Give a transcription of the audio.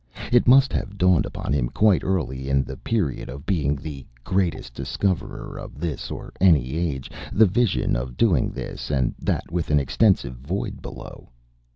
It must have dawned upon him quite early in the period of being the Greatest Discoverer of This or Any Age, the vision of doing this and that with an extensive void below.